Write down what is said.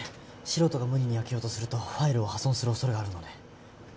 素人が無理に開けようとするとファイルを破損する恐れがあるので。